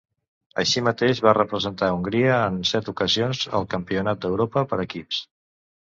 Així mateix, va representar Hongria en set ocasions al Campionat d'Europa per equips.